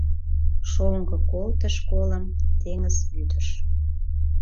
Шоҥго колтыш колым теҥыз вӱдыш